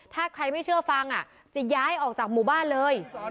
ถ้าใครไม่เชื่อฟังจะย้ายออกจากหมู่บ้านเลย